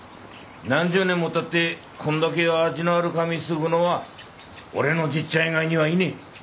何十年もたってこんだけ味のある紙すくのは俺のじっちゃん以外にはいねえ。